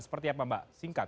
seperti apa mbak singkat